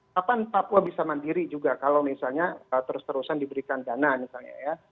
kapan papua bisa mandiri juga kalau misalnya terus terusan diberikan dana misalnya ya